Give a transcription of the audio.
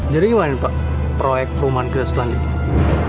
jadi gimana pak proyek perumahan kias klan ini